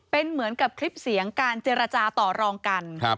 เป็นเหมือนกับคลิปเสียงการเจรจาต่อรองกัน